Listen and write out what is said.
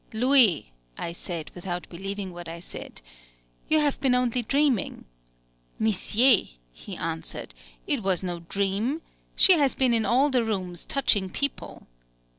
"Louis!" I said, without believing what I said, "you have been only dreaming." "Missié," he answered, "it was no dream. _She has been in all the rooms, touching people!